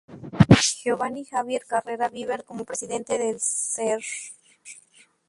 Geovanny Javier Carrera Viver como Presidente, el Sr.